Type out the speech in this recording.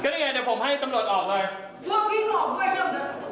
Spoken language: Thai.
ก็ได้ไงเดี๋ยวผมให้ตำรวจออกเลยร่วมพิ้งออกด้วยเชิง